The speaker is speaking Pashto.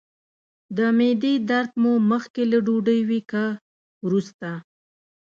د معدې درد مو مخکې له ډوډۍ وي که وروسته؟